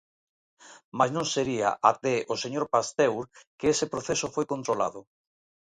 Mais non sería até o señor Pasteur que ese proceso foi controlado.